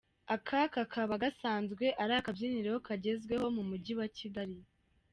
Aka kakaba gasanzwe ari akabyiniro kagezweho mu mujyi wa Kigali.